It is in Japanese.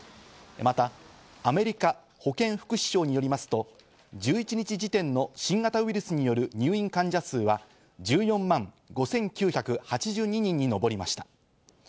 またアメリカ保健福祉省によりますと、１１日時点の新型ウイルスによる入院患者数は１４万５９８２人に上りました。